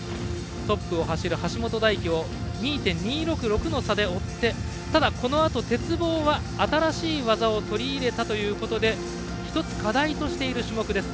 トップを走る橋本大輝を２．２６６の差で追ってただ、このあと鉄棒は新しい技を取り入れたということで１つ、課題としている種目です。